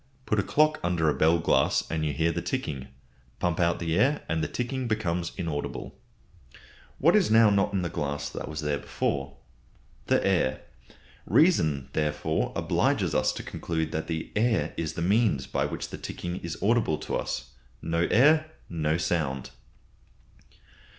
Put a clock under a bell glass and you hear the ticking. Pump out the air and the ticking becomes inaudible. What is now not in the glass that was there before? The air. Reason, therefore, obliges us to conclude that air is the means whereby the ticking is audible to us. No air, no sound.